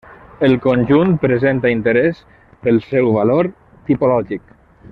El conjunt presenta interès pel seu valor tipològic.